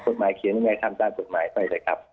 กฎหมายเขียนยังไงทำตามกฎหมายไปเลยครับ